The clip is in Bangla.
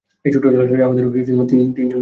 এই ছোট্ট জলাশয়ে আমাদের তিনজনের বুক পর্যন্ত জল।